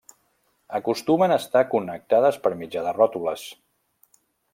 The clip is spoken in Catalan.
Acostumen a estar connectades per mitjà de ròtules.